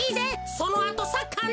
そのあとサッカーな。